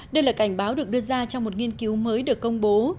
lời cảnh báo được đưa ra trong một nghiên cứu mới được công bố